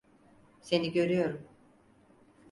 Seni görüyorum.